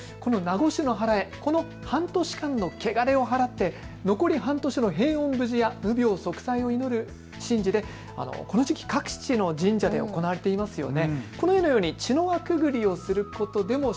この夏越しの祓、この半年間の汚れをはらって残り半年の平穏無事や無病息災を祈る神事でこの時期、各地の神社で行われていますよね。